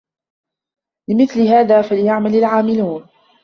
لِمِثلِ هذا فَليَعمَلِ العامِلونَ